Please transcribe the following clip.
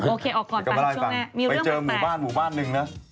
โอเคออกก่อนไปเจอหมู่บ้านหมู่บ้านหนึ่งนะ